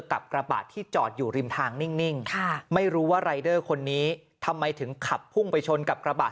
กับกระบะที่จอดอยู่ริมทางนิ่งไม่รู้ว่ารายเดอร์คนนี้ทำไมถึงขับพุ่งไปชนกับกระบะ